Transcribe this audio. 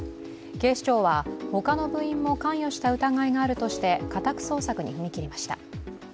警視庁は他の部員も関与した疑いがあるとして家宅捜索に踏み切りました。